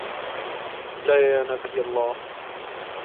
لَا يَا نَبِيَّ اللَّهِ